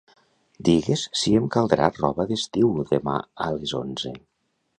Digues si em caldrà roba d'estiu demà a les onze.